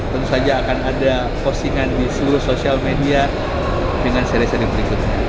tentu saja akan ada postingan di seluruh sosial media dengan seri seri berikutnya